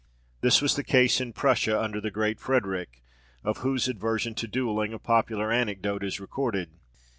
This was the case in Prussia, under the great Frederick, of whose aversion to duelling a popular anecdote is recorded.